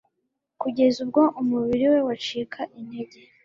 kugeza ubwo umubiri we wacika intege.